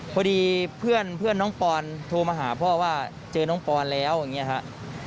พอดีเพื่อนน้องปอนโทรมาหาพ่อว่าเจอน้องปอนแล้วอย่างนี้ครับ